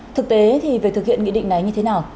thực tế thì về thực hiện nghị định này như thế nào